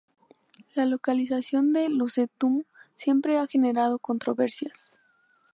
La localización de Lucentum siempre ha generado controversias.